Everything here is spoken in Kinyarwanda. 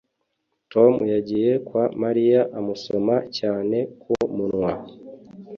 tom yagiye kwa mariya amusoma cyane ku munwa